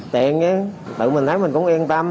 tiền chứ tự mình thấy mình cũng yên tâm